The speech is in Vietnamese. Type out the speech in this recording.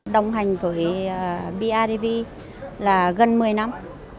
đồng hành với bidv là gần một mươi năm